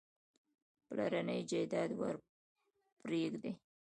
پلرنی جایداد ورپرېږدي.